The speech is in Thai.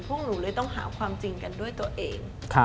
พวกหนูเลยต้องหาความจริงกันด้วยตัวเอง